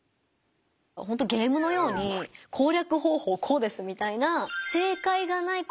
ほんとゲームのように「攻略方法こうです」みたいなな気がしますね。